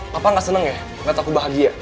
papa gak seneng ya gak takut bahagia